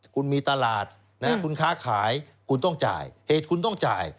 คุณมีตลาดคุณค้าขายคุณต้องจ่ายเหตุคุณต้องจ่าย